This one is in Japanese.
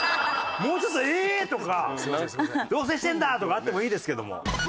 もうちょっと「ええ！」とか「同棲してんだ！」とかあってもいいですけども。